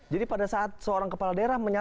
jadi pada saat seorang kepala daerah